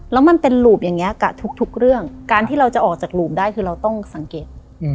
แล้วมันเป็นหลูบอย่างนี้กับทุกเรื่องการที่เราจะออกจากหลูบได้คือเราต้องสังเกต